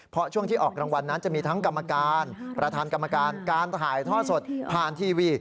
เพราะช่วงที่ออกรางวัลนั้นจะมีทั้งกรรมการประธานกรรมการการถ่ายท่อสดผ่านทีวี